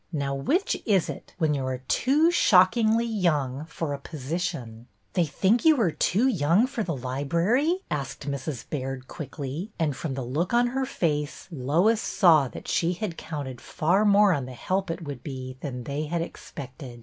Now, which is it, when you are too ' shockingly young ' for a position ?"'' They think you are too young for the library?" asked Mrs. Baird, quickly, and from the look on her face Lois saw that she had counted far more on the help it would be than they had suspected.